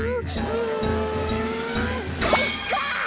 うんかいか！